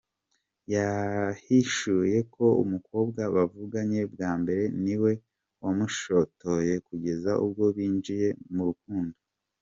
Yahishuye ko umukobwa bavuganye bwa mbere ni we wamushotoye kugeza ubwo binjiye mu rukundo.